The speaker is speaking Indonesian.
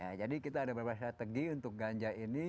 ya jadi kita ada beberapa strategi untuk ganja ini